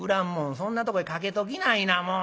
そんなとこへかけときないなもう。